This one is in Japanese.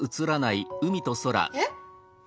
えっ！